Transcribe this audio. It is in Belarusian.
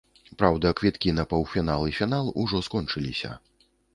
Праўда, квіткі на паўфінал і фінал ужо скончыліся.